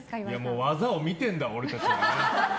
もう技を見てるんだ、俺たちは。